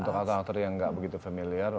untuk aktor aktor yang tidak begitu familiar